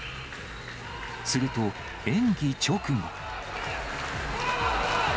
すると、演技直後。